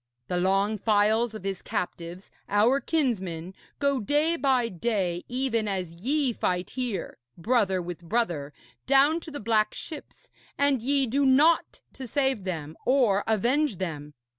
The long files of his captives, our kinsmen, go day by day, even as ye fight here, brother with brother, down to the black ships, and ye do naught to save them or avenge them.